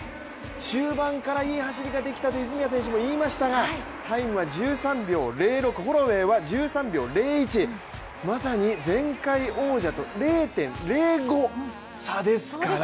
中盤からいい走りができたと泉谷選手も言いましたがタイムは１３秒０６ホロウェイは１３秒０１、まさに前回王者と０．０５差ですから。